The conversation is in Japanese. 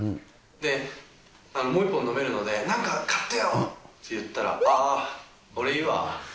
で、もう１本飲めるので、なんか買ってよ！って言ったら、ああ、俺いいわ。